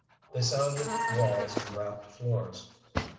They sounded walls and rapped floors.